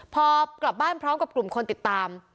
พอกลับบ้านพร้อมกับกลุ่มคนติดตาม